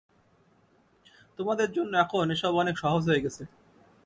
তোমাদের জন্য এখন এসব অনেক সহজ হয়ে গেছে।